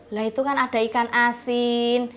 lah itu kan ada ikan asin